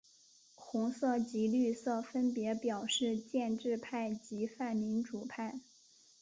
红色及绿色分别表示建制派及泛民主派。